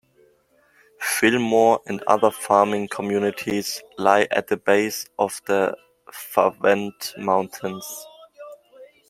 Fillmore and other farming communities lie at the base of the Pahvant Mountains.